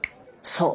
そう。